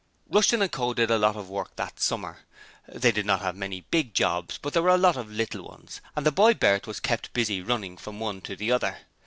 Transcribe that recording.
Rushton & Co. did a lot of work that summer. They did not have many big jobs, but there were a lot of little ones, and the boy Bert was kept busy running from one to the other.